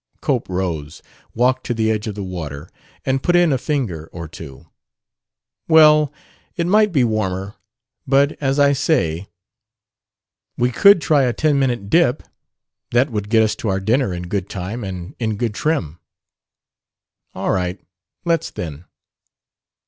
Cope rose, walked to the edge of the water, and put in a finger or two. "Well, it might be warmer; but, as I say...." "We could try a ten minute dip. That would get us to our dinner in good time and in good trim." "All right. Let's, then."